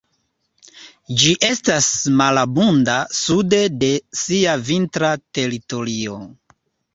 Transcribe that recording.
Ĝi estas malabunda sude de sia vintra teritorio.